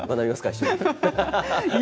一緒に。